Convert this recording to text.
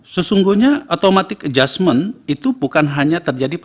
sesungguhnya automatic adjustment itu bukan hanya terjadi pada